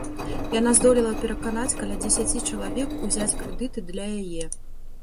Яна здолела пераканаць каля дзесяці чалавек узяць крэдыты для яе.